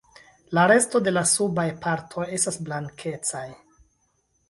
La resto de la subaj partoj estas blankecaj.